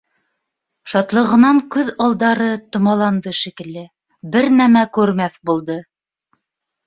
Шатлығынан күҙ алдары томаланды шикелле, бер нәмә күрмәҫ булды